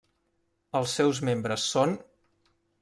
Els seus membres són: